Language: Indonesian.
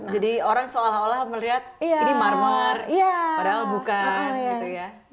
jadi orang seolah olah melihat ini marmer padahal bukan